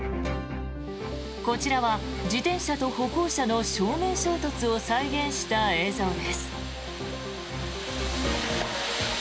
こちらは自転車と歩行者の正面衝突を再現した映像です。